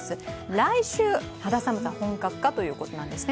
来週、肌寒さ本格化ということなんですね？